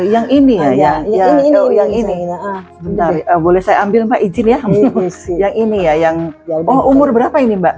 yang ini ya yang ini boleh saya ambil mbak izin ya yang ini ya yang oh umur berapa ini mbak